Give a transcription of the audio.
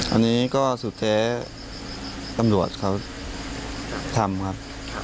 อันนี้ก็สุดแท้ตำรวจเขาทำครับ